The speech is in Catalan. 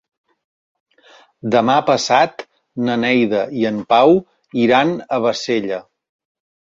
Demà passat na Neida i en Pau iran a Bassella.